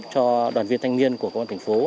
cho đoàn viên thanh niên của công an thành phố